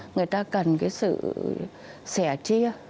người ta cần cái sự sẻ chia